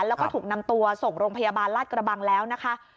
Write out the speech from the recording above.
แล้วก็ถูกนำตัวส่งโรงพยาบาลลาดกระบังแล้วนะคะ